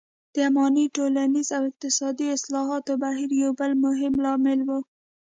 د اماني ټولنیز او اقتصادي اصلاحاتو بهیر یو بل مهم لامل و.